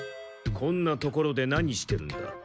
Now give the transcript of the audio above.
こんな所で何してるんだ？